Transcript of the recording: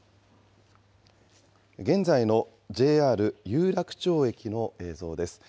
現在のＪＲ有楽町駅の映像です。